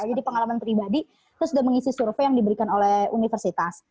jadi pengalaman pribadi terus sudah mengisi survei yang diberikan oleh universitas